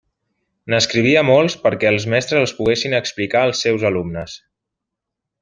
N'escrivia molts perquè els mestres els poguessin explicar als seus alumnes.